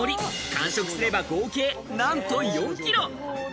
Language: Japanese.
完食すれば合計なんと４キロ。